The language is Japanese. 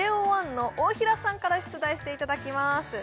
ＪＯ１の大平さんから出題していただきます